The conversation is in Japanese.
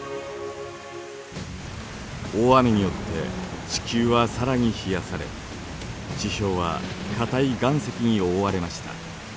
大雨によって地球は更に冷やされ地表は硬い岩石におおわれました。